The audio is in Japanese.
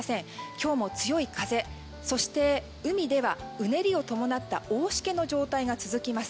今日も強い風そして海ではうねりを伴った大しけの状態が続きます。